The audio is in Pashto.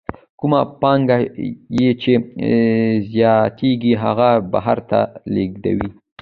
کومه پانګه یې چې زیاتېږي هغه بهر ته لېږدوي